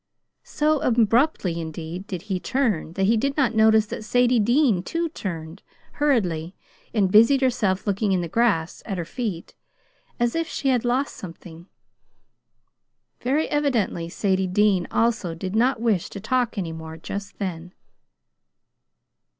So abruptly, indeed, did he turn, that he did not notice that Sadie Dean, too, turned hurriedly, and busied herself looking in the grass at her feet, as if she had lost something. Very evidently, Sadie Dean, also, did not wish to talk any more just then.